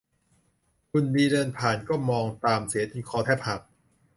หุ่นดีเดินผ่านก็มองตามเสียจนคอแทบหัก